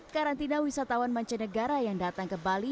karantina wisatawan mancanegara yang datang ke bali